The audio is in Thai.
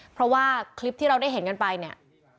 เพราะว่าคลิปที่เราได้เห็นกันไปเนี่ย